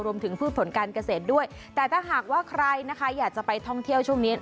พืชผลการเกษตรด้วยแต่ถ้าหากว่าใครนะคะอยากจะไปท่องเที่ยวช่วงนี้